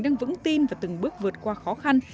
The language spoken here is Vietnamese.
đang vững tin và từng bước vượt qua khó khăn